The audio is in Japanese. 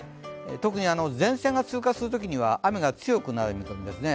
特に前線が通過するときには雨が強くなる見込みですね。